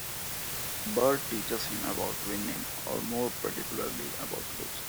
Bert teaches him about winning, or more particularly about losing.